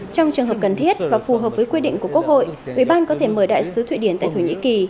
trong trường hợp cần thiết và phù hợp với quy định của quốc hội ủy ban có thể mời đại sứ thụy điển tại thổ nhĩ kỳ